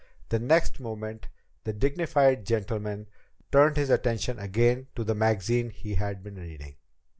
The next moment, the dignified gentleman turned his attention again to the magazine he had been reading.